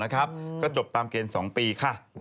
ก็จบตามเกณฑ์๒ปีค่ะ